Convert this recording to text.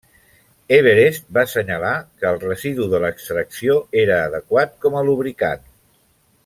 Everest va assenyalar que el residu de l'extracció era adequat com a lubricant.